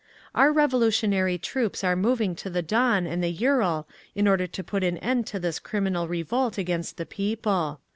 "Our revolutionary troops are moving to the Don and the Ural in order to put an end to this criminal revolt against the people.